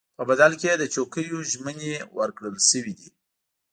په بدل کې یې د چوکیو ژمنې ورکړل شوې دي.